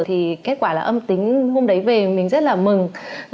thì kết quả là âm tính hôm đấy về mình rất là mừng